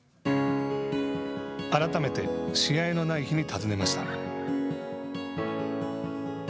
改めて試合のない日に訪ねました。